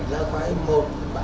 để là phải một tiêu hủy